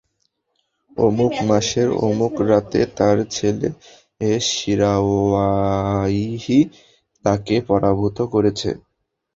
অমুক মাসের অমুক রাতে তার ছেলে শিরাওয়াইহি তাকে পরাভূত করেছে।